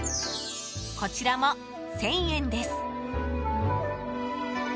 こちらも１０００円です。